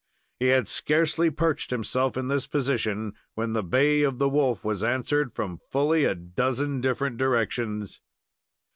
He had scarcely perched himself in this position, when the bay of the wolf was answered from fully a dozen different directions.